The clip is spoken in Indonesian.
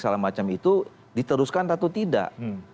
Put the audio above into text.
dan sebagainya itu diteruskan atau tidak